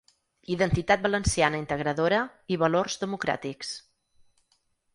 Identitat valenciana integradora i valors democràtics.